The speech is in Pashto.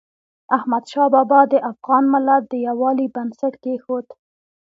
احمدشاه بابا د افغان ملت د یووالي بنسټ کېښود.